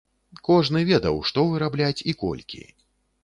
Кожны ведаў, што вырабляць і колькі.